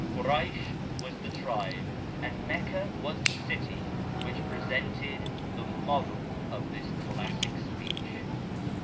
Koraysh was the tribe and Mecca was the city which presented the model of this classic speech.